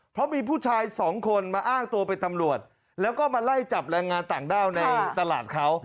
เพราะมีผู้ชายสองคนมาอ้างตัวเป็นตำรวจแล้วก็มาไล่จับแรงงานต่างด้าวในตลาดเขา